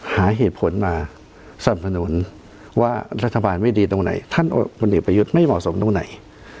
หาเหตุผลมาสนับสนุนว่ารัฐบาลไม่ดีตรงไหนท่านพลเอกประยุทธ์ไม่เหมาะสมตรงไหน